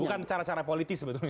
bukan cara cara politis sebetulnya